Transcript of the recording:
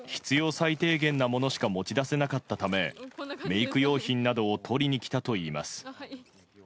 最低限なものしか持ち出せなかったためメイク用品などを取りに来たといいます。